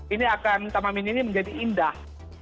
ini akan taman mini ini menjadi indah